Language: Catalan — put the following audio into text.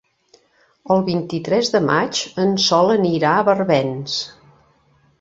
El vint-i-tres de maig en Sol anirà a Barbens.